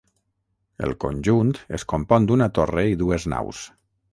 El conjunt es compon d'una torre i dues naus.